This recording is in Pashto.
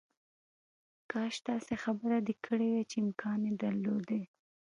کاش داسې خبره دې کړې وای چې امکان یې درلودای